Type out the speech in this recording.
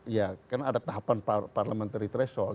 ya karena ada tahapan parliamentary threshold